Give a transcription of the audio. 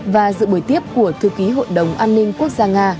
và dự buổi tiếp của thư ký hội đồng an ninh quốc gia nga